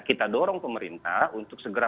kita dorong pemerintah untuk segera